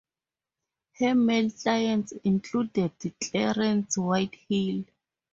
Her male clients included Clarence Whitehill.